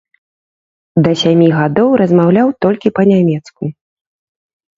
Да сямі гадоў размаўляў толькі па-нямецку.